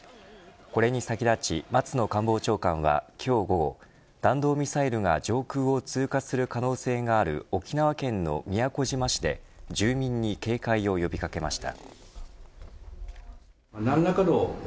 これに先立ち松野官房長官は、今日午後弾道ミサイルが上空を通過する可能性がある沖縄県の宮古島市で住民に警戒を呼び掛けました。